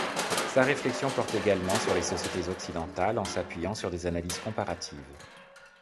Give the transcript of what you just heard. Sa réflexion porte également sur les sociétés occidentales en s'appuyant sur des analyses comparatives.